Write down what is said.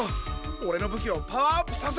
おれの武器をパワーアップさせられるか？